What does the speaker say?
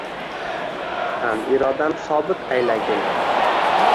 Ham irodam sobit aylagin.